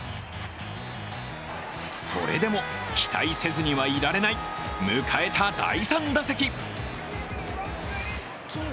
それでも、期待せずにはいられない迎えた第３打席。